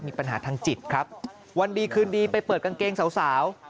มีปัญหาทางจิตครับวันดีคืนดีไปเปิดกางเกงสาวสาว